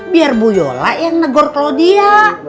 biar ibu yola yang negor klaudia